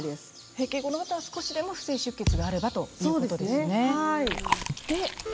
閉経後の方は少しでも不正出血があれば病院にということですね。